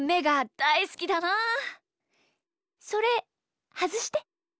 それはずして。